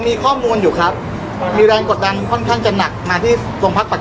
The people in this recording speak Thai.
พี่แจงในประเด็นที่เกี่ยวข้องกับความผิดที่ถูกเกาหา